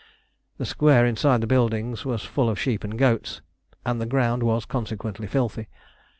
The square inside the buildings was full of sheep and goats, and the ground was consequently filthy.